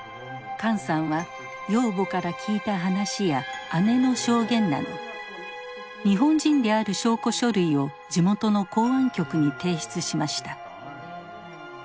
管さんは養母から聞いた話や姉の証言など日本人である証拠書類を地元の公安局に提出しました。